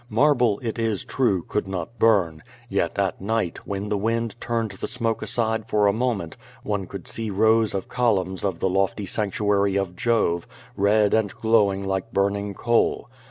Marble, it is true, could not bum, yet at night, when the wind turned the smoke aside for a moment one could see rows of columns of the lofty sanctuary of Jove, red and glowing like burning coal.